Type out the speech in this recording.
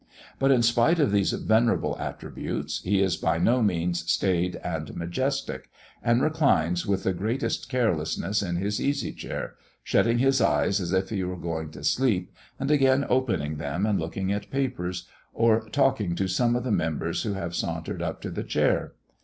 But in spite of these venerable attributes, he is by no means staid and majestic, and reclines with the greatest carelessness in his easychair, shutting his eyes as if he were going to sleep and again opening them and looking at papers, or talking to some of the members who have sauntered up to the chair.